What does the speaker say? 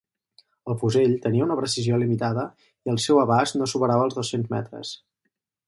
El fusell tenia una precisió limitada i el seu abast no superava els dos-cents metres.